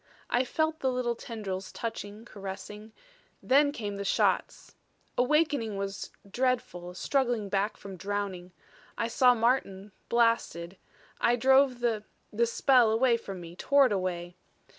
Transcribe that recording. "I felt the little tendrils touching, caressing then came the shots. Awakening was dreadful, a struggling back from drowning. I saw Martin blasted. I drove the the spell away from me, tore it away.